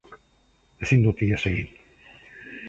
Ezin dut ihes egin.